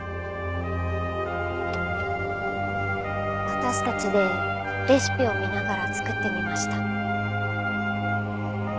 私たちでレシピを見ながら作ってみました。